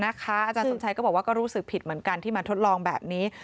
อาจารย์สมชัยก็บอกว่าก็รู้สึกผิดเหมือนกันที่มาทดลองแบบนี้